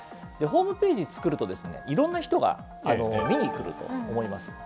ホームページ作ると、いろんな人が見にくると思います。